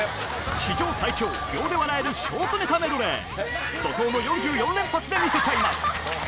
史上最長、秒で笑えるショートネタメドレー、怒とうの４４連発で見せちゃいます。